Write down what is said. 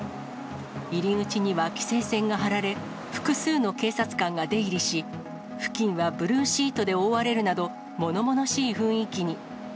入り口には規制線が張られ、複数の警察官が出入りし、付近はブルーシートで覆われるなど、ものものしい雰囲気に。